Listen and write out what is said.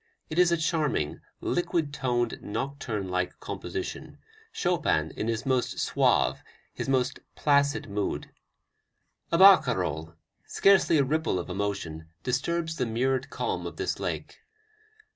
It is a charming, liquid toned, nocturne like composition, Chopin in his most suave, his most placid mood: a barcarolle, scarcely a ripple of emotion, disturbs the mirrored calm of this lake.